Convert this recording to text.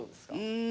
うん。